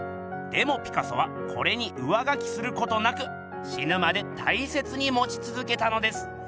でもピカソはこれに上書きすることなくしぬまで大切にもちつづけたのです。